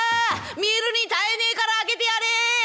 見るに堪えねえから開けてやれ！」。